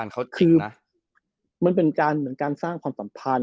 คือมันเป็นการสร้างความสัมพันธ์